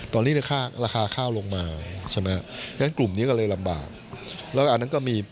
ตอนนี้ราคาข้าวลงมาฉะนั้นกลุ่มนี้ก็เลยลำบาก